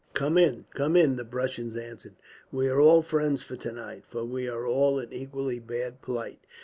"Come in, come in," the Prussians answered. "We are all friends for tonight, for we are all in equally bad plight.